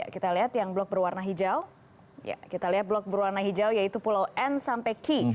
kita lihat yang blok berwarna hijau kita lihat blok berwarna hijau yaitu pulau n sampai ki